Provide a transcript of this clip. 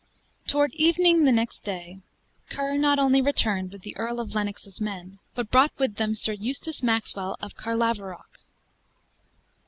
Toward evening the next day, Ker not only returned with the Earl of Lennox's men, but brought with them Sir Eustace Maxwell of Carlaveroch.